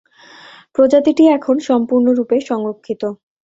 প্রজাতিটি এখন সম্পূর্ণরূপে সংরক্ষিত।